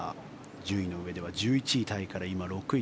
順位の上では１１位タイから６位